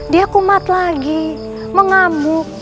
dia kumat lagi mengamuk